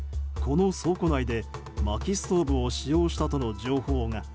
この倉庫内で、まきストーブを使用したとの情報が。